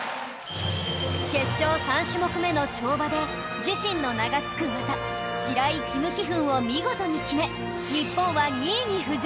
決勝３種目めの跳馬で自身の名が付く技シライ／キム・ヒフンを見事に決め日本は２位に浮上